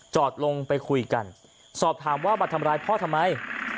จอดลงไปคุยกันสอบถามว่ามาทำร้ายพ่อทำไม